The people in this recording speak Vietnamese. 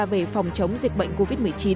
về phòng chống dịch bệnh covid một mươi chín